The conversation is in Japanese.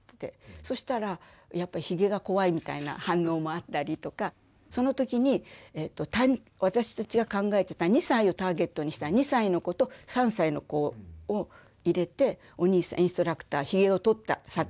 そしたらやっぱひげが怖いみたいな反応もあったりとかその時に私たちが考えてた２歳をターゲットにした２歳の子と３歳の子を入れてお兄さんインストラクターひげを取った撮影をやったんです。